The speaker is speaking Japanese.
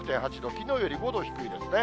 きのうより５度低いですね。